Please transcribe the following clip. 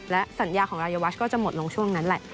และสัญญาของรายวัชก็จะหมดลงช่วงนั้นแหละ